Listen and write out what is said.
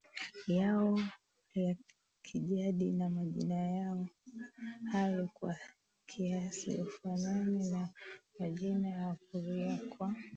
yao ya kijadi na majina hayo kwa kiasi hufanana na majina ya Wakuria Kwa